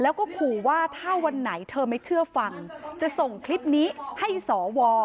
แล้วก็ขู่ว่าถ้าวันไหนเธอไม่เชื่อฟังจะส่งคลิปนี้ให้สว